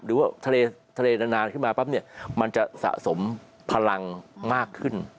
หรือว่าทะเลนาขึ้นมาปั๊บจะสะสมพลังมากขึ้น